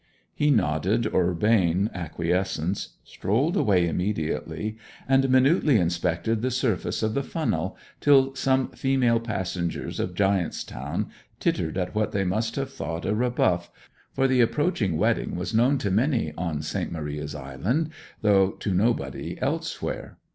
He nodded urbane acquiescence, strolled away immediately, and minutely inspected the surface of the funnel, till some female passengers of Giant's Town tittered at what they must have thought a rebuff for the approaching wedding was known to many on St. Maria's Island, though to nobody elsewhere.